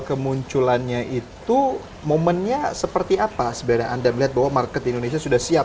kemunculannya itu momennya seperti apa sebenarnya anda melihat bahwa market di indonesia sudah siap